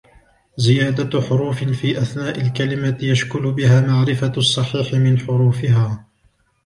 زِيَادَةُ حُرُوفٍ فِي أَثْنَاءِ الْكَلِمَةِ يَشْكُلُ بِهَا مَعْرِفَةُ الصَّحِيحِ مِنْ حُرُوفِهَا